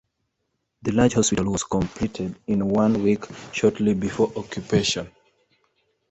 The large hospital was completed in one week shortly before occupation.